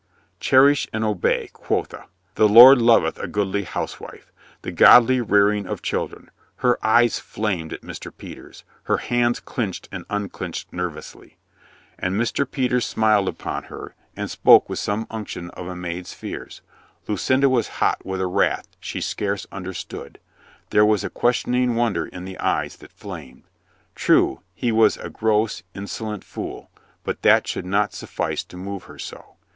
Cherish I and obey, quotha ! The Lord loveth a goodly housewife! The godly rearing of children! Her eyes flamed at Mr. Peters. Her hands clenched and unclenched nervously. And Mr. Peters smiled upon her and spoke with some unction of a maid's 290 COLONEL GREATHEART fears. Lucinda was hot with a wrath she scarce understood. There was a questioning wonder in the eyes that flamed. True, he was a gross, inso lent fool, but that should not suffice to move her so.